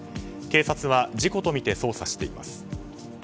警察は事故とみて捜査しています。